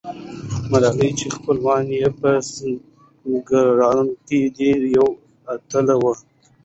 ملالۍ چې خپلوان یې په سینګران کې دي، یوه اتله وه.